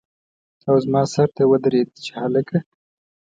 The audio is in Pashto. او زما سر ته ودرېد چې هلکه!